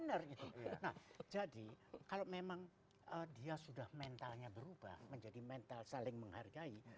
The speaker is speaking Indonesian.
nah jadi kalau memang dia sudah mentalnya berubah menjadi mental saling menghargai